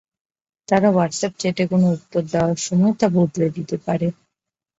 তারা হোয়াটসঅ্যাপ চ্যাটে কোনো উত্তর দেওয়ার সময় তা বদলে দিতে পারে।